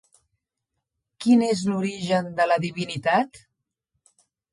Quin és l'origen de la divinitat?